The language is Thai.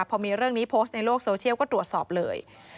พอมีเรื่องนี้โพสต์ในโลกโซเชียลก็ตรวจสอบเลย